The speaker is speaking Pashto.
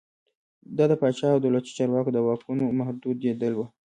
دا د پاچا او دولتي چارواکو د واکونو محدودېدل و.